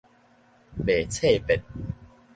袂慼變